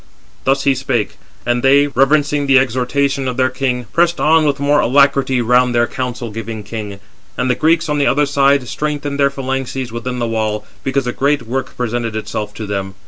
Thus he spake; and they, reverencing the exhortation of their king, pressed on with more alacrity round their counsel giving king. And the Greeks, on the other side, strengthened their phalanxes within the wall, because a great work presented itself to them.